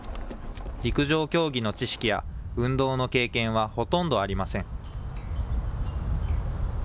陸上競技の知識や運動の経験はほとんどありません。